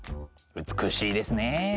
美しいですねえ。